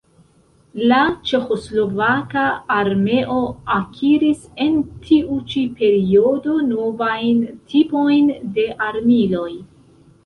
La ĉeĥoslovaka armeo akiris en tiu ĉi periodo novajn tipojn de armiloj.